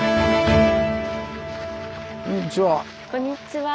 こんにちは。